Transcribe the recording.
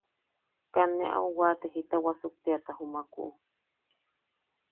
Kat ne au wate jita wasuktiata jumaku.